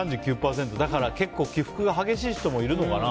だから結構、起伏が激しい人もいるのかな。